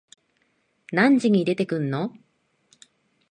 何時に出てくの？